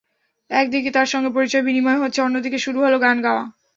একদিকে তার সঙ্গে পরিচয় বিনিময় হচ্ছে, অন্যদিকে শুরু হলো গান গাওয়া।